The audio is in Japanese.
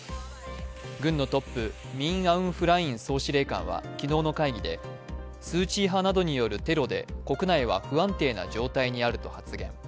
軍のトップミン・アウン・フライン総司令官は昨日の会議で、スー・チー派などによるテロで国内は不安定な状態にあると発言。